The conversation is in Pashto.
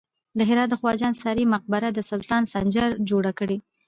د هرات د خواجه انصاري مقبره د سلطان سنجر جوړه کړې